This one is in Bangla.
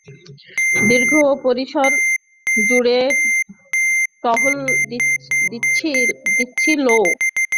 দীর্ঘ-পরিসর জুড়ে টহল দিচ্ছিল?